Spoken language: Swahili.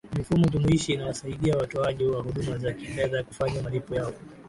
mifumo jumuishi inawasaidia watoaji wa huduma za kifedha kufanya malipo yao